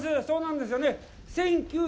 そうなんですよね。